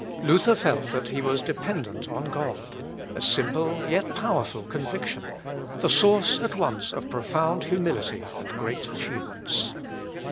Luther felt that he was dependent on God a simple, yet powerful, conviction the source at once of profound humility and great achievements.